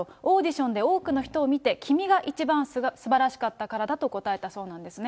オーディションで多くの人を見て、君が一番すばらしかったからだと答えたそうなんですね。